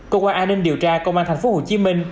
cơ quan an ninh điều tra công an tp hcm